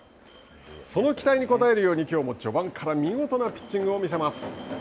その期待に応えるようにきょうも序盤から見事なピッチングを見せます。